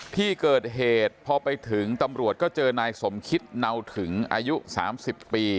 ที่เกิดเหตุพอไปถึงตำรวจก็เจอนายสมคิดเนาถึงอายุ๓๐ปี